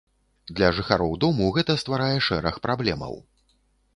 Для жыхароў дому гэта стварае шэраг праблемаў.